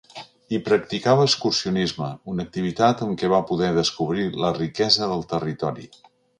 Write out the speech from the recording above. Hi practicava excursionisme, una activitat amb què va poder descobrir la riquesa del territori.